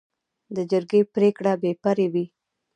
د جرګې پریکړه بې پرې وي.